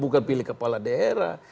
kita pilih kepala daerah